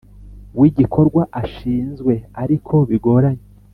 W igikorwa ashinzwe ariko bigoranye